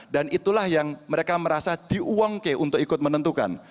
dan itulah yang mereka merasa di uangke untuk ikut menentukan